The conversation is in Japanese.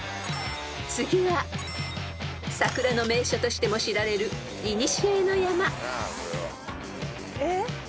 ［次は桜の名所としても知られるいにしえの山］えっ？